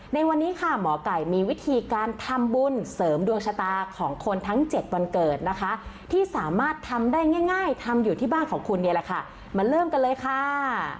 ในวันนี้ค่ะหมอไก่มีวิธีการทำบุญเสริมดวงชะตาของคนทั้ง๗วันเกิดนะคะที่สามารถทำได้ง่ายทำอยู่ที่บ้านของคุณเนี่ยแหละค่ะมาเริ่มกันเลยค่ะ